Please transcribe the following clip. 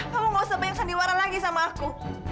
kamu gak usah banyak sandiwara lagi sama aku